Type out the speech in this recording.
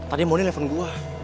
ankun gue sama pintu